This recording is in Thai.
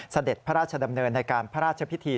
เสด็จพระราชดำเนินในการพระราชพิธี